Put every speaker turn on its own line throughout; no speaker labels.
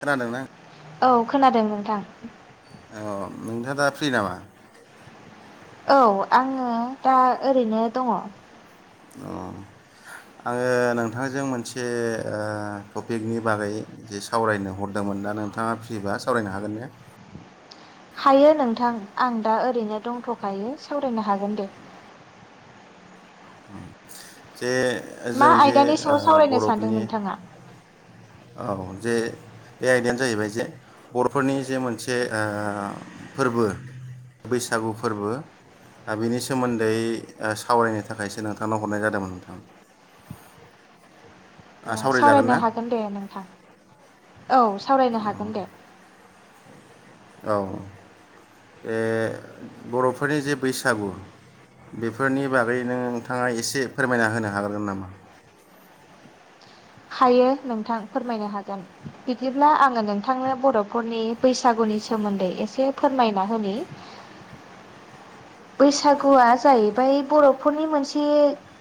खोनादोंना
औ खोनादों नोंथां। [unintelligible]
औ नोंथाङ दा फ्रि नामा?
औ आङो दा ओरैनो दङ।
अ आङो नोंथांजों मोनसे ओ टपिकनि बागै जे सावरायनो हरदोंमोन दा नोंथाङा फ्रिबा सावरायनो हागोन ने?
हायो नोंथां आं दा ओरैनो दंथ'खायो सावरायनो हागोन दे।
औ बे
मा
जों जे
आयदानि सायाव सावरायनो सानदों
बर'फोरनि
नोंथाङा
औ जे बे आयदायानो जाहैबाय जे बर'फोरनि जे मोनसे ओ फोरबो बैसागु फोरबो दा बेनि सोमोन्दै सावरायनो थाखायसो नोंथांनाव हरनाय जादोंमोन नोंथां।
अ
सावरायजागोन
सावरायनो
ना
हागोन दे नोंथां औ सावरायनो हागोन दे
औ बे बर'फोरनि जे बैसागु बेफोरनि बागै नोंथाङा एसे फोरमायना होनो हागोनोन नामा
हायो नोंथां फोरमायनो हागोन बिदिब्ला आङो नोंथांनो बर'फोरनि बैसागुनि सोमोन्दै एसे फोरमायना होनि बैसागुआ जाहैबाय बर'फोरनि मोनसे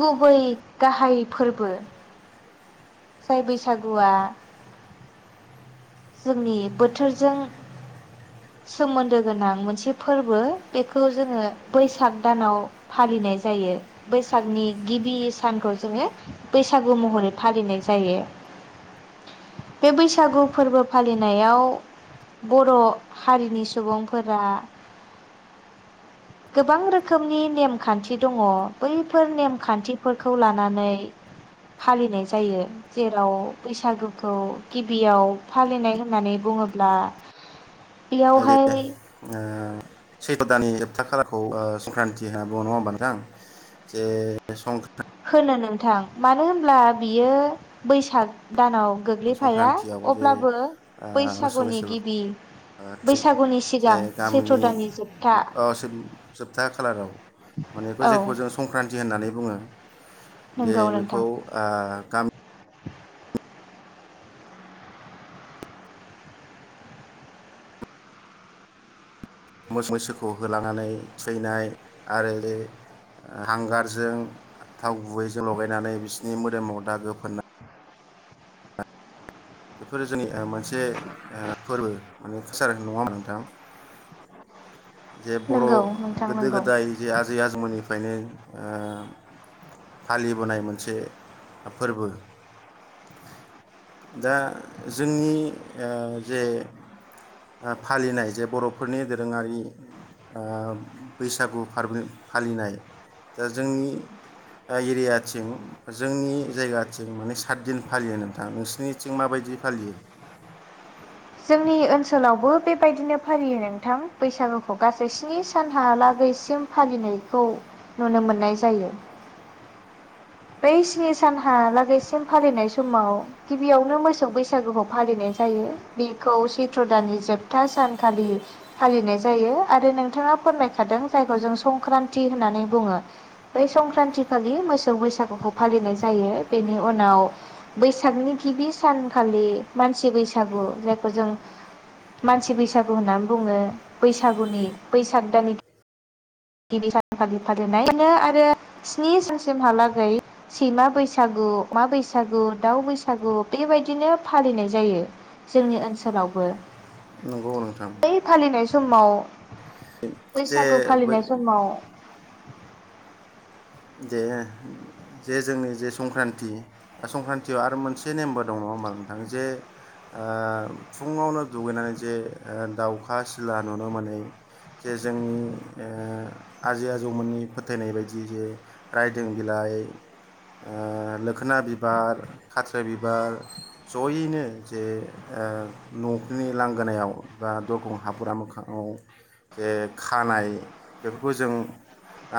गुबै गाहाय फोरबो जाय बैसागुआ जोंनि बोथोरजों सोमोन्दो गोनां मोनसे फोरबो बेखौ जोङो बैसाग दानाव फालिनाय जायो बैसागनि गिबि सानखौ जोङो बैसागु महरै फालिनाय जायो बे बैसागु फोरबो फालिनायाव बर' हारिनि सुबुंफोरा गोबां रोखोमनि नेमखान्थि दङ बैफोर नेमखान्थिफोरखौ लानानै फालिनाय जायो जेराव बैसागुखौ गिबियाव फालिनाय होननानै बुङोब्ला
जागोन दे
बेयावहाय
सैथ' दानि जोबथा खालारखौ ओ बे संक्रान्ति होनना बुङो नङा होमबा नोंथांं जे सं
होनो नोंथां मानो होनब्ला बियो बैसाग दानाव गोग्लैफाया
संक्रान्तियाव जे
अब्लाबो
ओ मोसौ
बैसागुनि
मैसो
गिबि बैसागुनि
जे
सिगां सैथ्र'
गामिनि
दाननि जोबथा
ओ जोबथा खालाराव माने
औ
जेखौ जों संक्रान्ति होननानै बुङो जे
नंगौ नोंथां
बेखौ ओ गामि
[inaudible]
मैसोखौ होलांनानै थैनाय आरो बे हांगारजों थाव गुबैजों लगायनानै बिसोरनि मोदोमाव दाो फोननाय बेफोरो जोंनि मोनसे फोरबो माने कालचार होननाय नङाम नोंथां जे बर'
नंगौ नोंथां
गोदो
नंगौ
गोदाय जे आजै आजौमोननि बेखायनो फालिबोनाय मोनसे फोरबो दा जोंनि जे फालिनाय जे बर'फोरनि दोरोङारि बैसागु फालिनाय दा जोंनि एरियाथिं जोंनि जायगाथिं माने सात दिन फालियो नोंथाङा नोंस सनिथिं माबायदि फालियो
जोंनि ओनसोलावबो बेबायदिनो फालियो नोंथां बैसागुखौ गासै स्नि सानहालागैसिम फालिनायखौ नुनो मोननाय जायो बै स्नि सानहालागैसिम फालिनाय समाव गिबियावनो मोसौ बैसागुखौ फालिनाय जायो बेखौ सैत्र दाननि जोबथा सानखालि फालिनाय जायो आरो नोंथाङा फोरमायखादों जायखौ जों संक्रान्ति होननानै बुङो बै संक्रान्ति खालि मोसौ बैसागु फालिनाय जायो बेनि उनाव बैसागनि गिबि सानखालि मानसि बैसागु जायखौ जों मानसि बैसागु होननानै बुङो बैसागुनि बैसाग दान गिबि सानखालि फालिनायनो आरो स्नि सानसिमहालागै सैमा बैसागु मा बैसागु दाउ बैसागु बेबायदिनो फालिनाय जायो जोंनि ओनसोलावबो
नंगौ नोंथां
बै फालिनाय समाव
जे
बैसागु
बो
फालिनाय समाव
दे जे जोंनि जे संक्रान्ति संक्रान्तियाव आरो मोनसे नेम्बार दं नङा होमबा नोंथाङो जे फुङावनो दुगैनानै जे दाउखा सिला नुनो मोनै जे जोंनि आजै आजौमोननि फोथायनाय बायदि जे रायदों बिलाइ लोखोना बिबार खाथ्रि बिबार जयैनो जे न'खनि लांगोनायाव बा दरखं हाबुरा मोखाङाव जे खानाय बेफोरखौ जों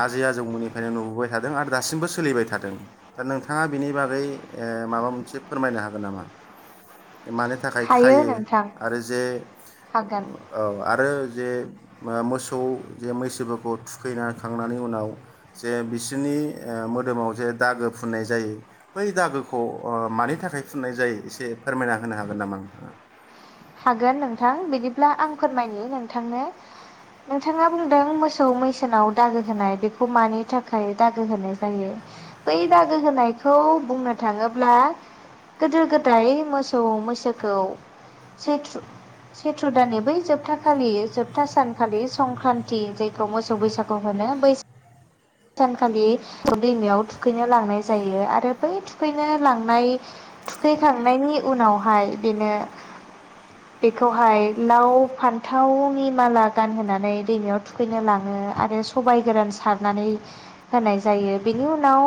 आजै आजौमोननिफ्रायनो नुबोयो होबाय थादों आरो दासिमबो सोलिबाय थादों दा नोंथाङा बिनि बागै माबा मोनसे फोरमायनो हागोन नामा मानि थाखाय
हायो
खायो
नोंथां
आरो जे
हागोन
औ आरो जे मोसौ जे मैसोफोरखौ थुखै खांनायनि उनाव जे बि बिसोरनि मोदोमाव जे दागो फुननाय जायो बै दागोखौ मानि थाखाय फुननाय जायो एसे फोरमायना होनो हागोन नामा नोंथाङा
हागोन नोंथां बिदिब्ला आं फोरमायो नोंथांनो नोंथाङा बुंदों मोसौ मैसोनाव दागो होनाय बेखौ मानि थाखाय दागो होनाय जायो बै दागो होनायखौ बुंनो थाङोब्ला गोदो गोदाय मोसौ मैसोखौ सैथ्रु सैथ्र' दाननि बै जोबथा खालि जोबथा सानखालि संक्रान्ति जायखौ मोसौ बैसागु होनो बैसाग सानखालि दैमायाव थुखैनो लांनाय जायो आरो बै थुखैनो लांनाय थुखैखांनायनि उनावहाय बेनो बेखौहाय लाव फान्थावनि माला गानहोनानै दैमायाव थुखैनो लाङो आरो सबाय गोरान सारनानै होनाय जायो बेनि उनाव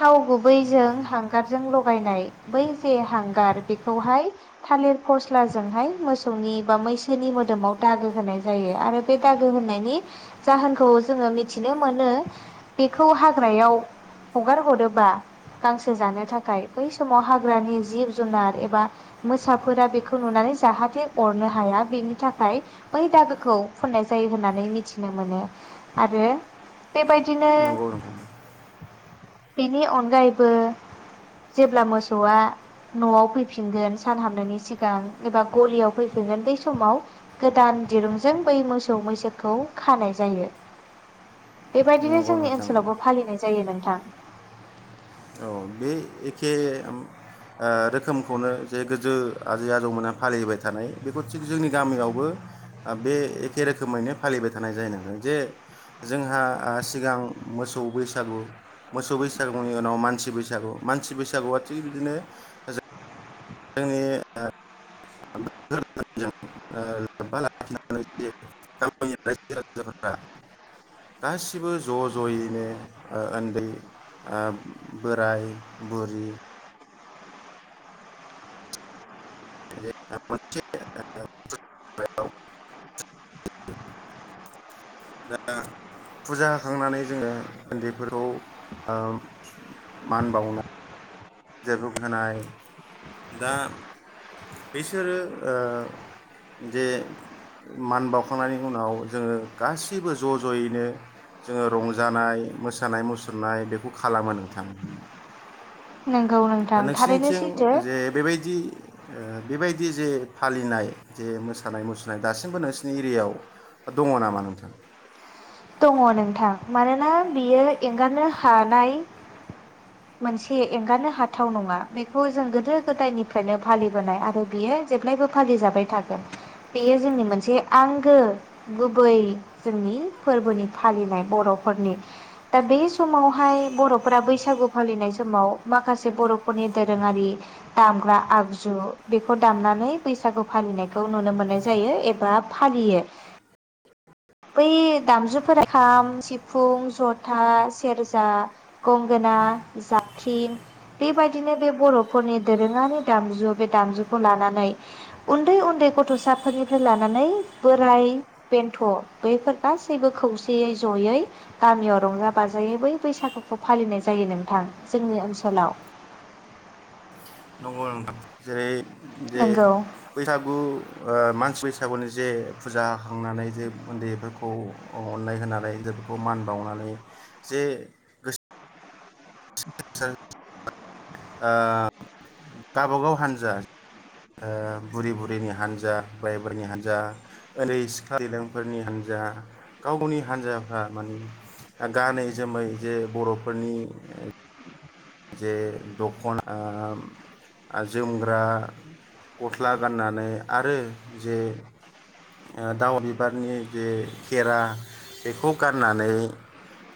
थाव गुबैजों हांगारजों लगायनाय बै जे हांगार बेखौहाय थालिर फस्लाजोंहाय मोसौनि बा मैसोनि मोदोमाव दागो होनाय जायो आरो बे दागो होनायनि जाहोनखौ जोङो मिथिनो मोनो बेखौ हाग्रायाव हगार हरोबा गांसो जानो थाखाय बै समाव हाग्रानि जिब जुनार एबा मोसाफोरा बेखौ नुनानै जाहाथे अरनो हाया बेनि थाखाय बै दागोखौ फुननाय जायो होननानै मिथिनो मोनो आरो बेबायदिनो
नंगौ नोंथां
बेनि अनगायैबो जेब्ला मोसौआ न'आव फैफिनगोन सान हामनायनि सिगां एबा गलियाव फैफिनगोन बै समाव गोदान दिरुंजों बै मोसौ मैसोखौ खानाय जायो बेबायदिनो
नंगौ
जोंनि
नोंथां
ओनसोलावबो फालिनाय जायोमोन थां
औ बे एखे आ रोखोमखौनो जे गोजौ आजै आजौमोनहा फालिबाय थानाय बेखौ थिग जोंनि गामियावबो बे एखे रोखोमैनो फालिबाय थानाय जायो। जे जोंहा आ सिगां मोसौ बैसागु मोसौ बैसागु नि उनाव मानसि बैसागु मानसि बैसागुआ थिग बिदिनो जो [inaudible] जे गामिनि रायजो राजाफोरा गासिबो ज' ज'यैनो ओ उन्दै आ बोराय बुरि [unintelligible] दा फुजा होखांनानै जोङो उन्दैफोरखौ उम मान बावना [unintelligible] होनाय दा बिसोरो ओ जे मान बावखांनायनि उनाव जोङो गासैबो ज' ज'यैनो जोङो रंजानाय मोसानाय मुसुरनाय बेखौ खालामो नोंथांमोननाव?
नंगौ
दा
नोंथां थारैनो
नोंसिोरनिथिं
सैथो
जे बेबायदि ओ बेबायदि जे फालिनाय जे मोसानाय मुसुरनाय दासिमबो नोंसिोरनि एरियायाव दङ नामा नोंथां?
दङ नोंथां मानोना बियो एंगारनो हानाय मोनसे एंगारनो हाथाव नङा बेखौ जों गोदो गोदायनिफ्रायनो फालिबोनाय आरो बियो जेब्लायबो फालिजाबाय थागोन। बेयो जोंनि मोनसे आंगो गुबै जोंनि फोरबोनि फालिनाय बर'फोरनि दा बे समावहाय बर'फोरा बैसागु फालिनाय समाव माखासे बर'फोरनि दोरोङारि दामग्रा आगजु बेखौ दामनानै बैसागु फालिनायखौ नुनो मोननाय जायो एबा फालियो। बै दामजुफोरा खाम सिफुं जथा सेरजा गंगोना जाख्रिं बेबायदिनो बे बर'फोरनि दोरोङारि दामजु बे दामजुखौ लानानै उन्दै उन्दै गथ'साफोरनिफ्राय लानानै बोराय बेन्थ' बैफोर गासैबो खौसेयै जयै गामियाव रंजा बाजायै बै बैसागुखौ फालिनाय जायो नोंथां जोंनि ओनसोलाव।
नंगौ नोंथां जेरै जे
नंगौ
बैसागु ओ मानस बैसा दा बावैनो जे फुजा होखांनानै जे उन्दैफोरखौ अननाय होनानै गिदिरफोरखौ मान बावनानै जे गोसो -
[inaudible]
आ गावबागाव हान्जा बुरै बुरै नि हान्जा बोराय बोरायनि हान्जा उन्दै सिख्ला दैलोंफोरनि हान्जा गाव गावनि हान्जाफ्रा माने गानै जोमै जे बर'फोरनि जे दख'ना आ जोमग्रा गस्ला गाननानै आरो जे ओ दाउ बिबारनि जे खेरा बेखौ गाननानै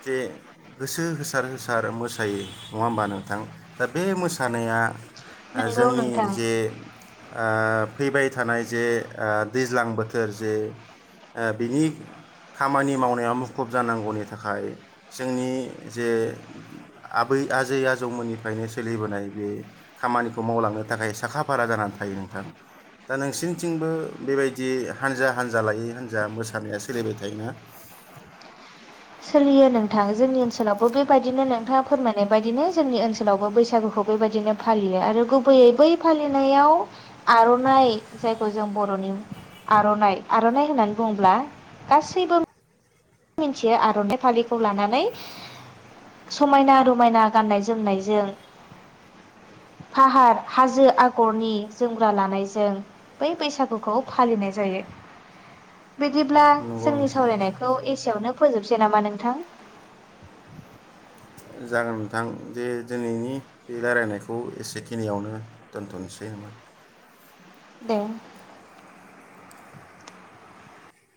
जे गोसो होसार होसार मोसायो नङा होनबा नोंथां दा बे मोसानाया ओ
नंगौ
जोंनि
नोंथां
जे आ फैबाय थानाय जे आ दैज्लां बोथोर जे आ बिनि खामानि मावनायाव मुखुब जानांगौनि थाखाय जोंनि जे आ बै आजै आजौमोननिफ्रायनो सोलिबोनाय बे खामानिखौ मावलांनो थाखाय साखा फारा जानानै थायो नोंथां। दा नोंसिनिथिंबो बेबायदि हानजा हान्जा लायै हान्जा मोसानाया सोलिबाय थायोना?
सोलियो नोंथां जोंनि ओनसोलावबो बेबायदिनो नोंथाङा फोरमायनाय बायदिनो जोंनि ओनसोलावबो बैसागुखौ बेबायदिनो फालियो आरो गुबैयै बै फालिनायाव आर'नाइ जायखौ जों बर'नि आर'नाइ आर'नाइ होननानै बुंङोब्ला गासैबो मिथियो आर'नाइ फालिखौ लानानै समायना रमायना गाननाय जोमनायजों फाहार हाजो आगरनि जोमग्रा लानायजों बै बैसागुखौ फालिनाय जायो। बिदिब्ला
नंगौ
जोंनि
नोंथां
सावरायनाय एसेयावनो फोजोबसै नामा नोंथां?
जागोन नोंथां जे दिनैनि बे रायलायनायखौ एसेखिनियावनो दोनथ'नोसै नामा?
दे।